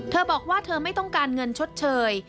เธอบอกว่าเธอไม่ต้องการเงินชดเชย